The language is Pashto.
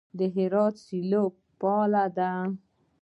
د هرات سیلو فعاله ده.